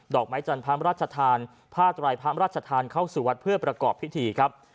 อกไม้จันทร์พระราชทานผ้าไตรพระราชทานเข้าสู่วัดเพื่อประกอบพิธีครับ